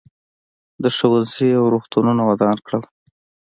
ده ښوونځي او روغتونونه ودان کړل.